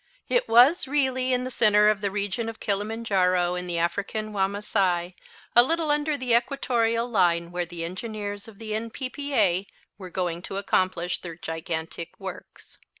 It was really in the center of the region of Kilimanjaro in the African Wamasai, a little under the equatorial line, where the engineers of the N.P.P.A. were going to accomplish their gigantic works.